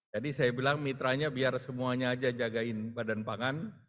jadi saya bilang mitranya biar semuanya aja jagain badan pangan